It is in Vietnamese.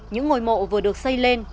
những ngôi mộ vừa được xây lên